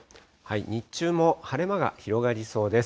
日中も晴れ間が広がりそうです。